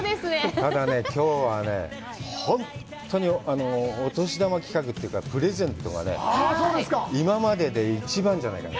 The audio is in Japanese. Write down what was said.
ただね、きょうはね、本当にお年玉企画というか、プレゼントがね、今までで一番じゃないかな。